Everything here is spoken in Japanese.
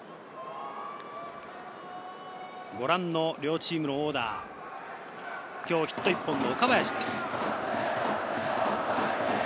両チームのオーダー、今日ヒット１本の岡林です。